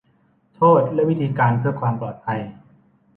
โทษและวิธีการเพื่อความปลอดภัย